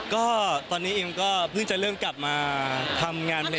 ก็ตอนนี้เองก็เพิ่งจะเริ่มกลับมาทำงาน